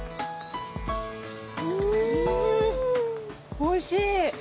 おいしい！